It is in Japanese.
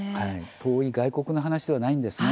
遠い外国の話ではないんですね。